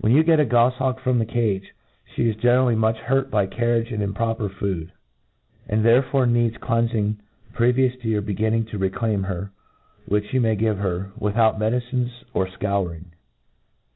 When you get a gofhawk from the cage, flic is generally much hurt by carriage and improper food } and therefore needs cleanfing previous to your beginning to reclaim her, which you may give her, without medicines or fccuririg.